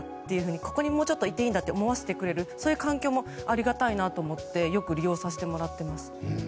ここに、もうちょっといてもいいんだと思わせてくれる環境もありがたいなと思ってよく利用させてもらっています。